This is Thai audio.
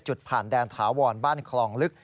จุดผ่านแดนถาวรบ้านคลองลึก